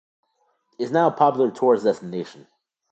It is now a popular tourist destination.